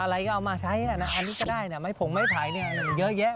อะไรก็เอามาใช้อันนี้ก็ได้ผมไม่ไผลเยอะแยะ